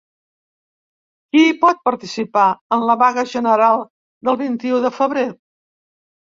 Qui hi pot participar, en la vaga general del vint-i-u de febrer?